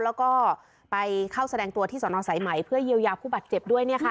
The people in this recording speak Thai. แล้วก็ไปเข้าแสดงตัวที่สนสายไหมเพื่อเยียวยาผู้บาดเจ็บด้วย